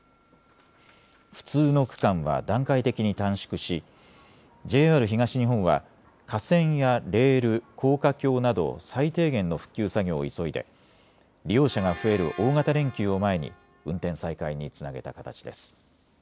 不通の区間は段階的に短縮し、ＪＲ東日本は架線やレール、高架橋など最低限の復旧作業を急いで利用者が増える大型連休を前に運転再開につなげた形です。